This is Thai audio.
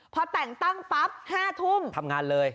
ช่วงตั้งตั้งปั๊บ๕๐๐นทำงานเลย